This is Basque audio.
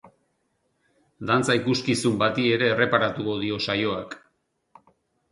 Dantza ikuskizun bati ere erreparatuko dio saioak.